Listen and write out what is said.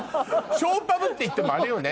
ショーパブっていってもあれよね。